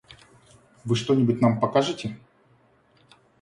Вы что-нибудь нам покажете?